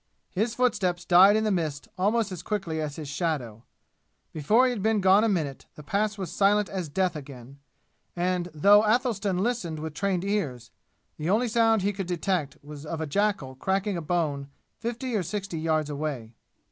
His foot steps died in the mist almost as quickly as his shadow. Before he had been gone a minute the Pass was silent as death again, and though Athelstan listened with trained ears, the only sound he could detect was of a jackal cracking a bone fifty or sixty yards away.